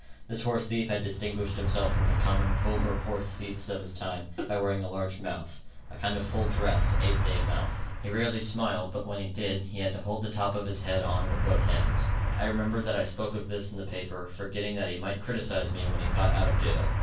This horsethief had distinguished himself from the common, vulgar horsethieves of his time, by wearing a large mouth a kind of full dress, eight day mouth. He rarely smiled, but when he did, he had to hold the top of his head on with both hands. I remember that I spoke of this in the paper, forgetting that he might criticise me when he got out of jail.